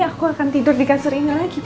aku akan tidur di kasur ini lagi